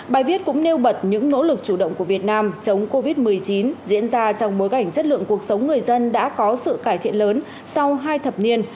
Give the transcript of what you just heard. bài viết cũng nêu bật những nỗ lực chủ động của việt nam chống covid một mươi chín diễn ra trong bối cảnh chất lượng cuộc sống người dân đã có sự cải thiện lớn sau hai thập niên